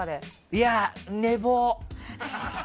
いや、寝坊。